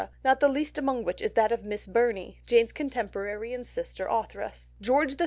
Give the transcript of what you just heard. not the least among which is that of Miss Burney, Jane's contemporary and sister authoress. George III.